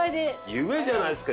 夢じゃないですか